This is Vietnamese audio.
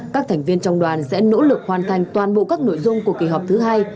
các thành viên trong đoàn sẽ nỗ lực hoàn thành toàn bộ các nội dung của kỳ họp thứ hai